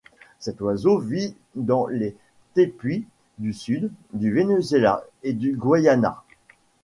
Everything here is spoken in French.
Cet oiseau vit dans les tepuys du sud du Venezuela et du Guyana.